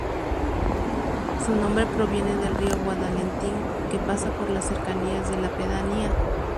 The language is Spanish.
Su nombre proviene del río Guadalentín, que pasa por las cercanías de la pedanía.